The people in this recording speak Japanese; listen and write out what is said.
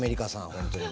本当に。